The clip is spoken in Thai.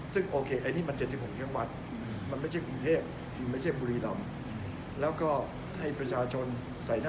ซึ่งโอเคไอ้นี่มัน๗๖จังหวัด